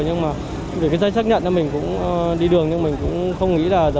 nhưng mà để cái giấy xác nhận mình cũng đi đường nhưng mình cũng không nghĩ là giờ quản